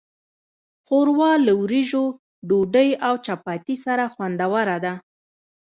ښوروا له وریژو، ډوډۍ، او چپاتي سره خوندوره ده.